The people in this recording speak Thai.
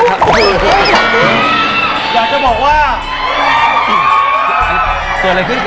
ขอรักมาช่วยหน่อย